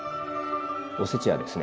おせちはですね